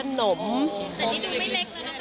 อันนี้ดูไม่เล็กแล้ว